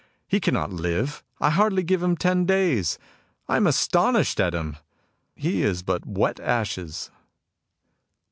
He can not live. I hardly give him ten days. I am astonished at him. He is but wet ashes."